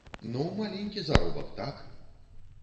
Ну, маленькі заробак, так!